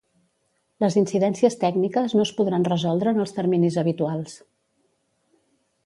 Les incidències tècniques no es podran resoldre en els terminis habituals.